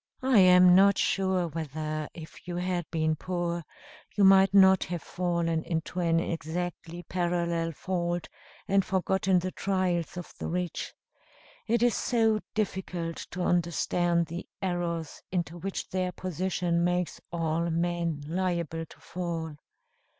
"I am not sure whether, if you had been poor, you might not have fallen into an exactly parallel fault, and forgotten the trials of the rich. It is so difficult to understand the errors into which their position makes all men liable to fall.